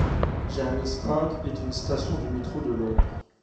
James's Park est une station du métro de Londres.